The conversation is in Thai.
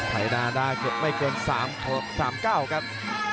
ไถ่นาดาเก็บไม่เกิน๓เก้าครับ